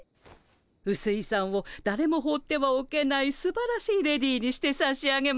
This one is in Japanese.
うすいさんをだれも放ってはおけないすばらしいレディーにしてさしあげますわ。